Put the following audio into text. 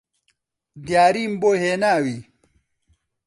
دیاریم بۆ هێناوی